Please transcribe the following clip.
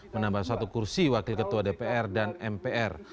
menambah satu kursi wakil ketua dpr dan mpr